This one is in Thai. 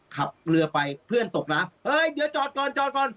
ขับเรือไปเพื่อนตกน้ำเฮ้ยเดี๋ยวจอดก่อนจอดก่อน